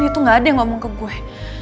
itu gak ada yang ngomong ke gue